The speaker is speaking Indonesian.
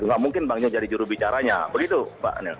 gak mungkin bang zul jadi jurubicaranya begitu pak anil